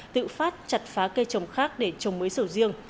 tự phát chặt phá cây trồng khác để trồng mới sầu riêng